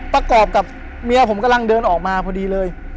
ประกอบกับเมียผมกำลังเดินออกมาพอดีเลย